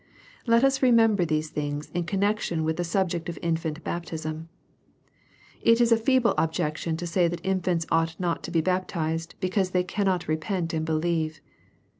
Let us remember these things in connexion with the subject of infant baptism. It is a feeble objection to say that infants ought not to be baptized, because they cannot repent and believe.